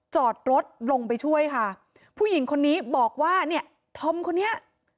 จอดรถลงไปช่วยค่ะผู้หญิงคนนี้บอกว่าเนี่ยธอมคนนี้